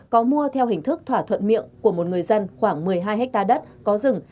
có mua theo hình thức thỏa thuận miệng của một người dân khoảng một mươi hai hectare đất có rừng